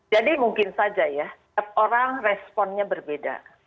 jadi mungkin saja ya setiap orang responnya berbeda